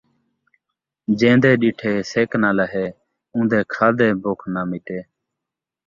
جین٘دے ݙٹھے سِک ناں لہے ، اون٘دے کھادیں بکھ ناں مٹے